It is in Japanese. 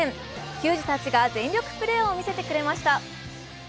球児たちが全力プレーを見せてくれました。